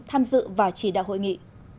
tham dự và chỉ đạo hội nghị